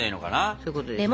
そういうことですね。